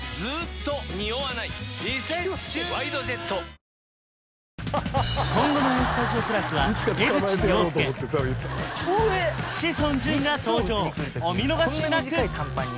「ＷＩＤＥＪＥＴ」今後の「ＡＳＴＵＤＩＯ＋」は江口洋介志尊淳が登場お見逃しなく！